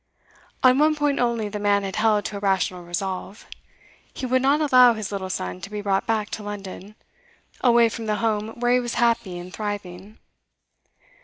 On one point only the man had held to a rational resolve; he would not allow his little son to be brought back to London, away from the home where he was happy and thriving.